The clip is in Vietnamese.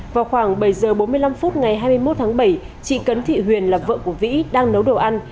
vào khoảng bảy h bốn mươi năm phút ngày hai mươi một tháng bảy chị cấn thị huyền là vợ của vĩ đang nấu đồ ăn